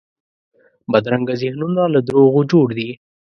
بدرنګه ذهنونه له دروغو جوړ دي